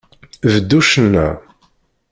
Bdu ccna.